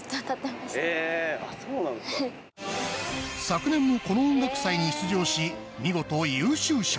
昨年もこの音楽祭に出場し見事優秀賞。